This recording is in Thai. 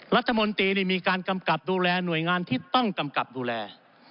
รัฐมนตรีมีการกำกับดูแลหน่วยงานที่ต้องกำกับดูแล